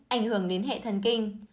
bốn ảnh hưởng đến hệ thần kinh